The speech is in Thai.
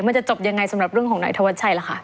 มันจะจบยังไงสำหรับเรื่องของนายธวัชชัยล่ะคะ